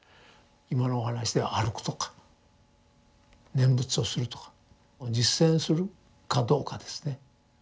今のお話では歩くとか念仏をするとか実践するかどうかですね。